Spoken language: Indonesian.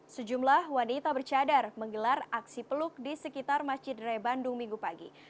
sejumlah wanita bercadar menggelar aksi peluk di sekitar masjid raya bandung minggu pagi